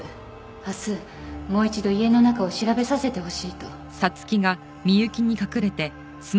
明日もう一度家の中を調べさせてほしいと。